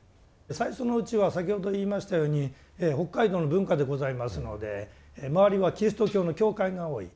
最初のうちは先ほど言いましたように北海道の文化でございますので周りはキリスト教の教会が多い。